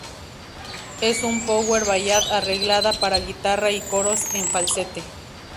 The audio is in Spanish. Es una power ballad arreglada para guitarra y coros en falsete.